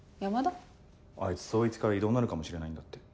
あいつ捜一から異動になるかもしれないんだって。